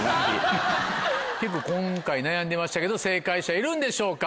結構今回悩んでましたけど正解者いるんでしょうか。